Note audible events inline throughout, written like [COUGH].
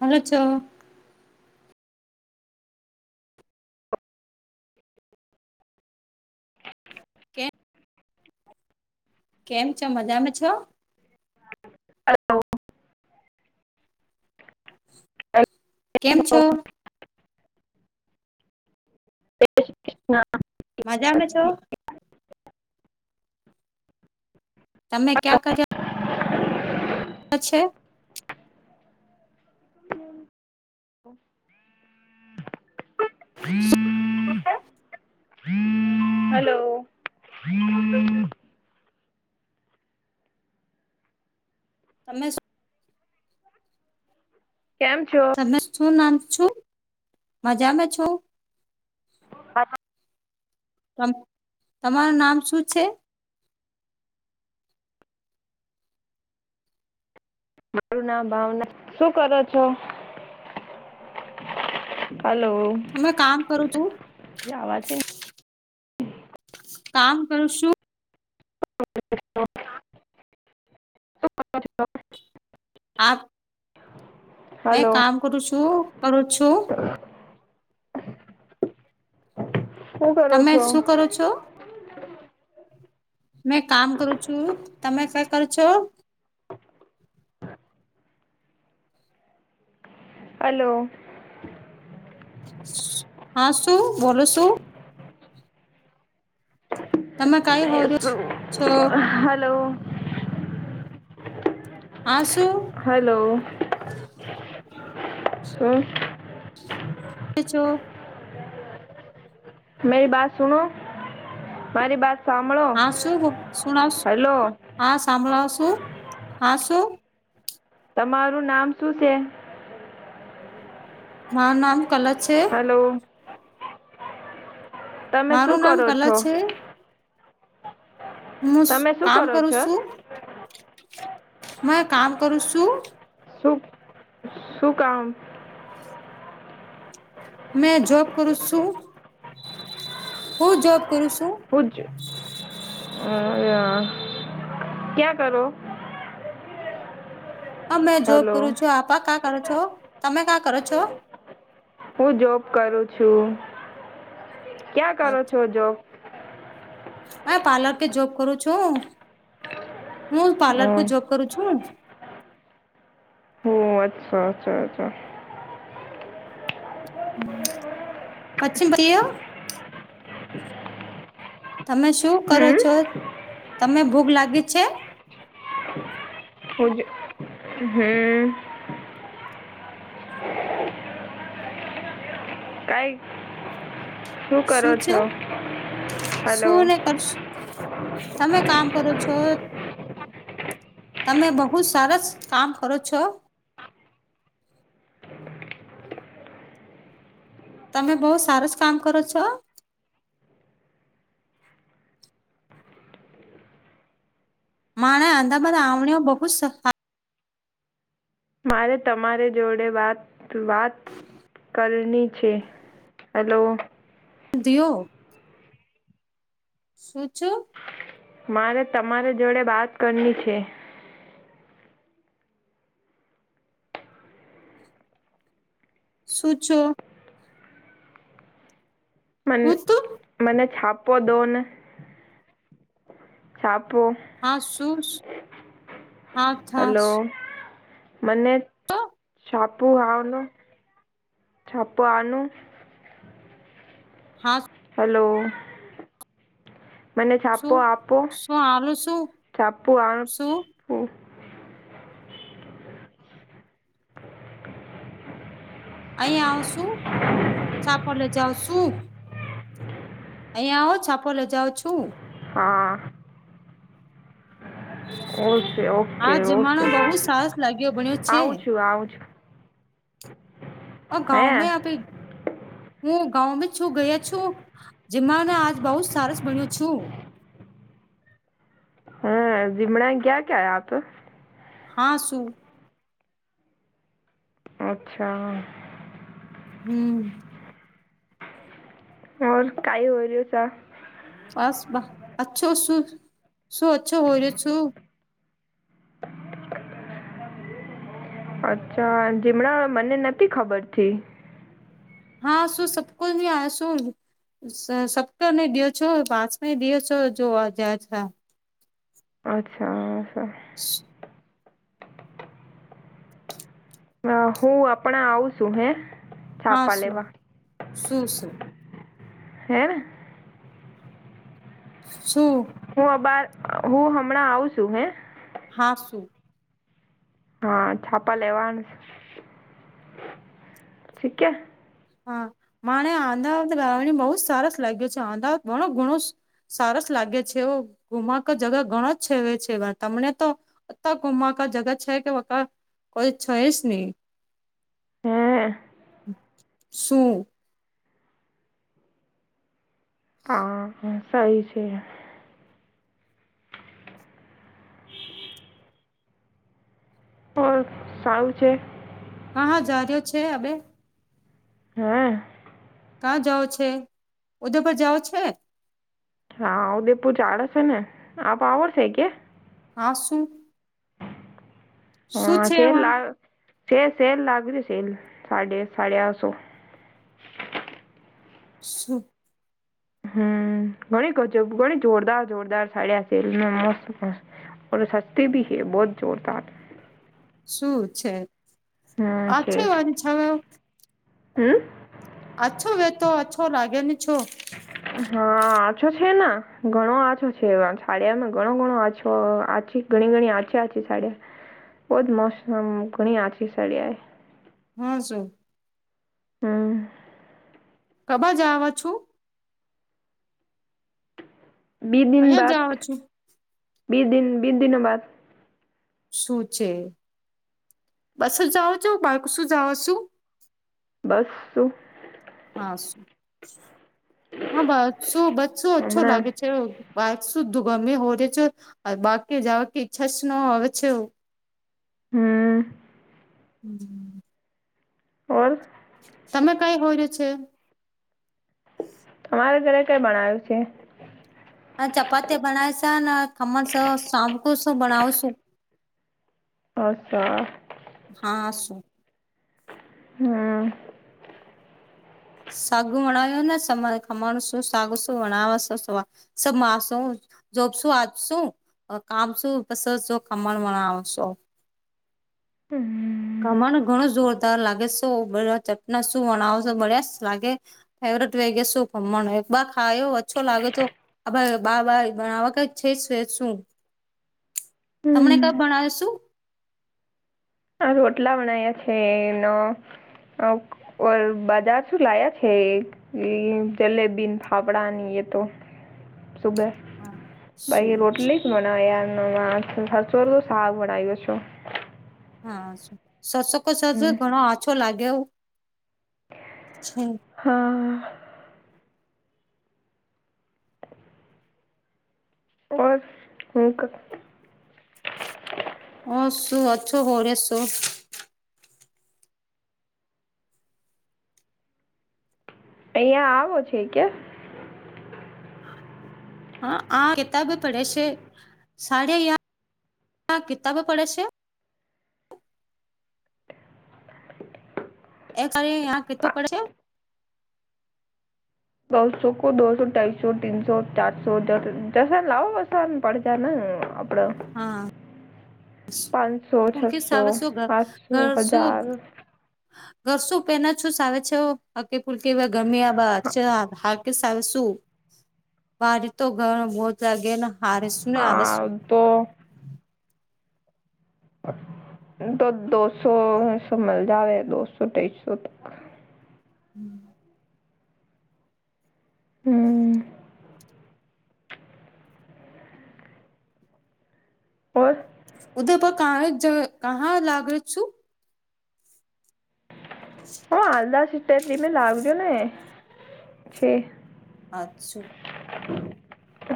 Hello છો કેમ કેમ છો? મજામાં છો? [UNINTELLIGIBLE] હલો કેમ જય છો? શ્રી કૃષ્ણ. મજામે છો? તમે ક્યાં કર્યા અચ્છે શું [UNINTELLIGIBLE] હલો [UNINTELLIGIBLE] તમે શું કેમ છો? તમે શું નામ છું? મજામાં છો? હલો તમારું નામ શું છે? મારું નામ ભાવના. શું કરો છો? હલો અમે કામ કરુંછું. કામ કરું શું. [INAUDIBLE] આપ મેં હલો કામ કરું છું. કરું છું. [INAUDIBLE] શું કરો તમે છો? શું કરો મેં કામ કરું છું તમે કઈ કરો છો? હલો- - હા શું બોલો શું? તમે કઈ હો છો હલો. આસું? હેલો. હ ચો- - મેરી બાત સુનોો મારી બાત સાંભળો સુણાવ હેલો. હા સાંભળો શું હા શું- - તમારું નામ શું છે? મારું નામ કલક છે હલો. તમે શું મારું નામ કરો કલક છો? છે. હું તમે શું કામ કરો કરું છો? છું હ કામ કરું છું? શું શું કામ? મેં જોબ કરું છું હું જોબ કરું છું. પજ હ ક્યાં કરો? [UNINTELLIGIBLE] હ મેં જોબ હલો કરું છું આપપા કા કરો છો તમે કા કરો છો? [UNINTELLIGIBLE] હું જોબ કરું છું ક્યાં કરો છો જોબ? હ પાર્લર કે જોબ કરું છું હું પાર્લર કો હમ, જબ કરુ છું. ઓ અચ્છા અચ્છા અચ્છા. હમ પ્છિમ પછયો- - [UNINTELLIGIBLE] તમે શું કરો છો હમ તમે ભૂખ લાગી છે? હજ હમ. [UNINTELLIGIBLE] કઈ- - [INAUDIBLE] શું કરો છો. શું હલો- - ને કરશ તમે કામ કરો છો તમે બહુ સરસ કામ કરો છો. તમે બહુ સરસ કામ કરો છો. મા અમદાવાદ આણીઓ બહુ જ સફા- - [UNINTELLIGIBLE] મારે તમારી જોડે વાત વાત- - કલની છે હેલો- - દિઓ- - સોચો - મારે તમારી જોડે વાત કરની છે. સૂચો- - મને હું તું મને થાપોદો ને- - સા આપો- - [UNINTELLIGIBLE] હા શું? હા હલો થા મને- - છાપું આવનું છાપુ આનું હા. હલો- - મને છાપો શું આપો શું હાલું શું છાપું શું આપું. [UNINTELLIGIBLE] અહીયાં આવશું છાપ એટલે જાવશું અહીંયા આવો છાપો લઈ જાવ છું હા. ઓકે આ ઓકે જમાનો ઓકે બહુ સરસ લાગ્યો બન્યો છે આવું છું આવું છું. ઓ હે ગાવ મે અભી- હું ગાઓમાં છું ગયા છું જેમાંને આજ બઉ જ સરસ ભણ્યો છું [UNINTELLIGIBLE] હા ઝીમડા ગયા ક્યા આપ હા શું? અચ્છા. હમ્મ. ઓર કાઈ ઓર્યું તર [UNINTELLIGIBLE] બસ અચ્છો શું શું અચ્છો હોરહ્યો શું? [UNINTELLIGIBLE] અચ્છા જીમડા મને નથી ખબરથી હા શું સબ કુછ આયા શું [UNINTELLIGIBLE] સપતર ને દિવસો પાંચમ દિવસો જોવા જયા છા [UNINTELLIGIBLE] અચ્છા સર [INAUDIBLE] હ હું આપણા આવું છું હે હા છાપા શું લેવા શું શું હે શું? હું અબાર હું હમણાં આવુ છું હે હા શું હા છાપા લેવાનું ઠીક હે હા માને અમદાવાદ રવા બહું જ સરસ લાગ્યો છે અમદાવાદ ઘણો ઘણો સ સરસ લાગે છે એવુ ગુમાતો જગ ઘણો જ છેવે છે તમને તો અતા ગુમાકા કા જગા છે કે એવું કોઈ છે જ નહી. હમ્મ. શું? હા સહી છે. હોર સારું છે. હા હા જાર્યો છે આપડે હા. ક્યાં જાઓ છે ઉધયપુર જાઓ છે. હા ઉદેપુર ચાડે છે ને આપ આવો છે કે હા શું? શું હા છે સેલ એમાં લાગ સેલ સીલ લાગ રે સેલ સાડે સાડયા સો શું? હમ્મ ઘણી ગજબ ઘણી જોરદાર જોરદાર સાડિયા છે મસ્ત ઓ સસ્તી ભી હે બહુત જોરદાર શું છે? હમ્મ છે આછો હમ્મ. અછો વેતો અછો લાગે ને છો. હા આછો છે ન ઘણો આછો છે સાાળયામાં ઘણો ઘણો આછો આચી ઘણી ઘણી આછા આચી સાડીયા બહુ જ મોસમ ઘણી આછી સાડીયા એ હા શું? હમ્મ. કબા જાવા છું. બીસ દીન અહીંયા જાવ બાદ છું બીસ દીન બીસ દિન બાદ શું છે? બસ જ જાવ છો બાળકોસું જાવ છું. બસું હા શું હા બસ શું બસ શું અછો હમણાં લાગે છે. શું વાકસુ ધુ ગમે હારે છો બાકી જવા કે ઈચ્છા છે ન આવે છે. હમ. [UNINTELLIGIBLE] ઓર તમે કઈ હોય રહ્યો છે? તમારે ઘરે કઈ ભણાયો છે? હ ચપાતી બનાય છે ને ખમણ સ સાંભકું શું બનાવશું અચછા હા હસો હમ [UNINTELLIGIBLE] જોબશું આજશું કામ શું બસ ખમણ મણાવશો હમ કમણ ઘણું જોરદાર લાગે શું બધા ચટના શું વણાવો છો બ્ડયા લાગે ફેવટ વેગે શું ખમણ એક બાર ખાયો ઓછો લાગે છે. આ બાબ આ વખત છે છે શું? તમને હમ ક ભણાવશુ આ રોટલા બનાયા છે, એને ઓલ બજાર શું લાયા છે. હ જલેબી ને ફાફડાની એ તો સુગ હા શું પહી રોટલી જ બનાય બનાયો છો. હા સરસો કો છે સરસો હમ ઘણો આછો લાગે છે. હા ઓર હુંક હ શું અછો હો રહ્યા શો અહિયાં આવો છે, ક્યા હા આ કિતાબ પડે છે સાડા યા કિતાબો પડે છે. એ કાર યા કેતો પડે છે. દોસો કો દોસો ઢાઈસો તીનસો ચારસો જસને લાવો વસાને પડ જ ને પડો હા પાંચસો પુલકી છસો સાવ શું આઠસો હજાર હા ઘશું પેલા શું સાવે છે, હકી ફુલકી ગરમીયા બા હા કેસ આવે શુ બાજ તો ઘણું બહુ જાગે ને હારે શું ને આવે હા શું તો તો દોસો મલ જાવે દોસો ઢેસો તક હમ્મ હમ્મ ઓર ઉદયપુર કાહજ જ કાં લાગે છુ. હ હાલદા સિર તીમે લાગજો ને છે. અછુ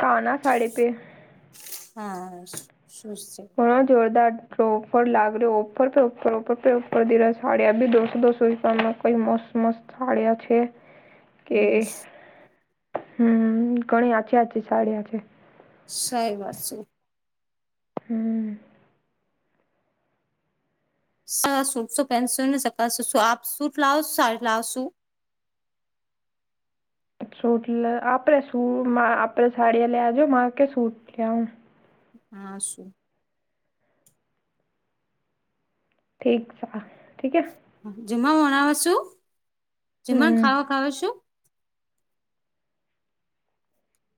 કાના સાડે પે હા શું છે. ઘણા જોરદાર ઓફર લાગરયો ઓફર પે ઓફર ઓફર પે ઓફર સાળીયા બી દોસો દોસો રૂપિયા મે કઈ મોસ મસ થાળ્યા છે. કે હમ હમ ઘણી આચી આચી સાડી આ છે. સહી વાત છે. હમ્મ સર સૂટસો પેનસો ને શકાશો શું આપ શૂટ લાવો સાડી લાવશું શૂટ આપડે શ આપડે સાડી લે આજો કે સૂટ લે હ હા શુ ઠીક છે ઠીક છે. જેમ વણાવ છુ, જેમ હમ ખાાવ ખાવ છુ.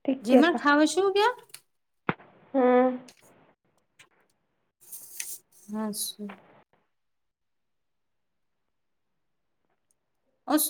ઠીક જેમર ખાવ શું ક્યા હમ્મ હા અસ